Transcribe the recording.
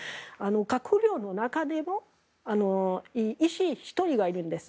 閣僚の中にも医師１人がいるんです。